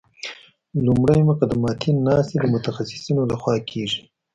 لومړی مقدماتي ناستې د متخصصینو لخوا کیږي